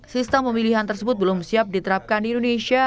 sistem pemilihan tersebut belum siap diterapkan di indonesia